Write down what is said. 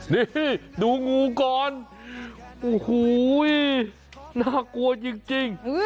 นี่ดูงูก่อนโอ้โหน่ากลัวจริง